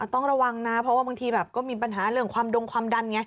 ต้องระวังนะเพราะว่าบางทีแบบก็มีปัญหาเรื่องความดงความดันไง